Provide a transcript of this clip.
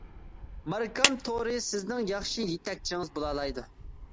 ماركام تورى سىزنىڭ ياخشى يېتەكچىڭىز بولالايدۇ!